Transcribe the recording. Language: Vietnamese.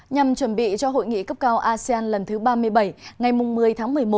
nhằm chuẩn bị cho hội nghị cấp cao asean lần thứ ba mươi bảy ngày một mươi tháng một mươi một